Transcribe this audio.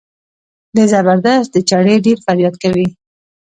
د زبردست د چړې ډېر فریاد کوي.